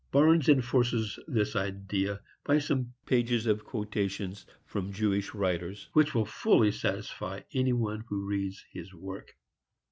Barnes enforces this idea by some pages of quotations from Jewish writers, which will fully satisfy any one who reads his work.